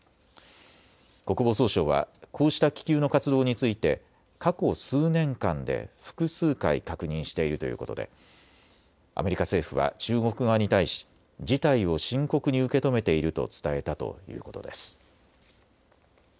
国防総省はこうした気球の活動について過去数年間で複数回、確認しているということでアメリカ政府は中国側に対し事態を深刻に受け止めていると伝えたということです。